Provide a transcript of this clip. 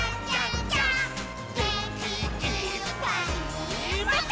「げんきいっぱいもっと」